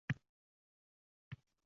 Kim nonu kim